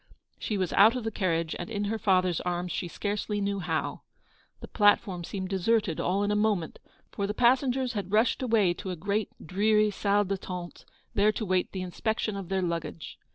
She was out of the carriage and in her father's arms she scarcely knew how. The platform seemed deserted all in a moment, for the passengers had rushed away to a great dreary salle d'attente, there to await the inspection of their luggage.